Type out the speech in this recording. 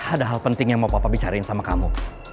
ada hal penting yang mau papa bicarain sama kamu